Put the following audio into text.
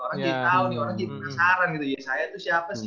orang jadi penasaran gitu yesaya itu siapa sih